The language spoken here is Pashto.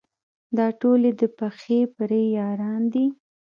دا ټول یې د پخې پرې یاران دي.